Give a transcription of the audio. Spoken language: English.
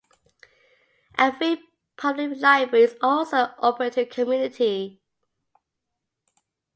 A free public library is also open to the community.